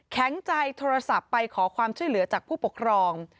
แข็งใจโทรศัพท์ไปขอความช่วยเหลือจากผู้ปกครอง